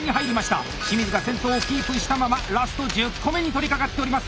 清水が先頭をキープしたままラスト１０個目に取りかかっております。